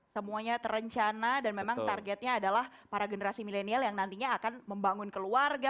semuanya terencana dan memang targetnya adalah para generasi milenial yang nantinya akan membangun keluarga